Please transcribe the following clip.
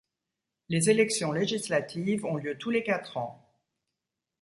Les élections législatives ont lieu tous les quatre ans.